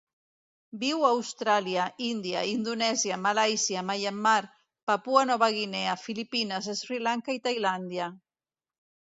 Viu a Austràlia, Índia, Indonèsia, Malàisia, Myanmar, Papua Nova Guinea, Filipines, Sri Lanka i Tailàndia.